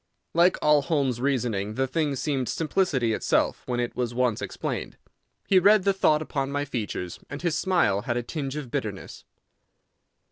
Like all Holmes's reasoning the thing seemed simplicity itself when it was once explained. He read the thought upon my features, and his smile had a tinge of bitterness.